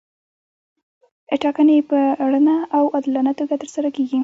ټاکنې په رڼه او عادلانه توګه ترسره کیږي.